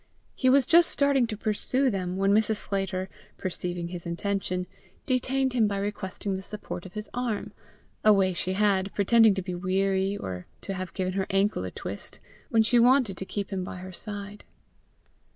He was just starting to pursue them, when Mrs. Sclater, perceiving his intention, detained him by requesting the support of his arm a way she had, pretending to be weary, or to have given her ankle a twist, when she wanted to keep him by her side.